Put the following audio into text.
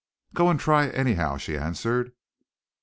"Go and try, anyhow," she answered.